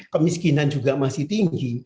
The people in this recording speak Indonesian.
kemiskinan juga masih tinggi